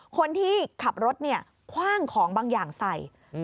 คนที่ขับรถเนี่ยคว่างของบางอย่างใส่